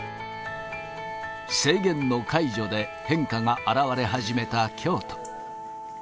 制限の解除で変化が表れ始めた京都。